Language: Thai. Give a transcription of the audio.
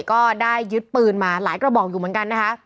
ก็ได้ยึดปืนมาหลายกระบอกอยู่เหมือนกันนะคะ